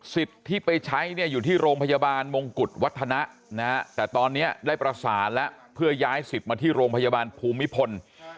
ที่ไปใช้เนี่ยอยู่ที่โรงพยาบาลมงกุฎวัฒนะแต่ตอนนี้ได้ประสานแล้วเพื่อย้ายสิทธิ์มาที่โรงพยาบาลภูมิพล